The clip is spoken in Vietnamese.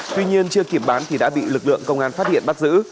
tuy nhiên chưa kịp bán thì đã bị lực lượng công an phát hiện bắt giữ